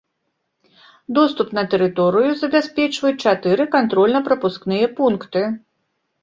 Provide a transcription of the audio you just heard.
Доступ на тэрыторыю забяспечваюць чатыры кантрольна-прапускныя пункты.